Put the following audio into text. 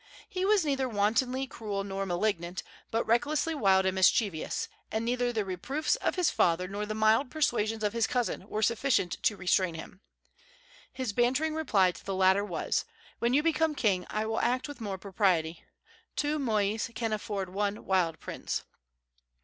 He was neither wantonly cruel nor malignant, but recklessly wild and mischievous, and neither the reproofs of his father nor the mild persuasions of his cousin were sufficient to restrain him. His bantering reply to the latter was: "When you become king I will act with more propriety. Two mois can afford one wild prince."